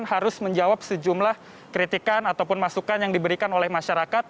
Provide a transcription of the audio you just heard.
harus menjawab sejumlah kritikan ataupun masukan yang diberikan oleh masyarakat